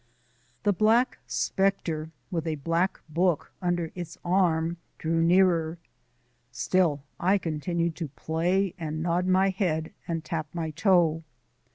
The Black Spectre, with a black book under its arm, drew nearer. Still I continued to play and nod my head and tap my toe.